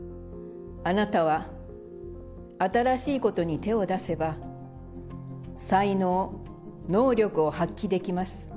あなたは新しいことに手を出せば、才能・能力を発揮できます。